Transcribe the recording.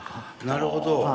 なるほど。